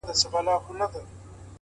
• له کښې پورته د مرغیو ترانې وې,